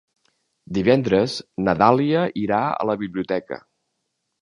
Divendres na Dàlia irà a la biblioteca.